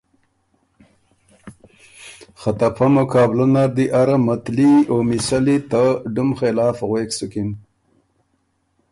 خه ته پۀ مقابلۀ نر دی اره متلي او مِثلّی ته ډُم خلاف غوېک سُکِن۔